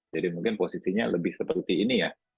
jadi mungkin posisinya lebih seperti ini ya